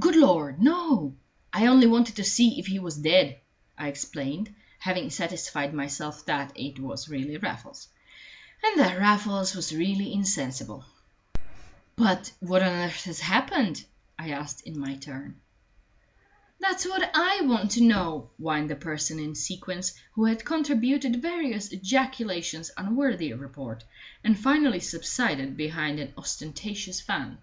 "Good Lord, no! I only wanted to see if he was dead," I explained, having satisfied myself that it was really Raffles, and that Raffles was really insensible. "But what on earth has happened?" I asked in my turn. "That's what I want to know," whined the person in sequins, who had contributed various ejaculations unworthy of report, and finally subsided behind an ostentatious fan.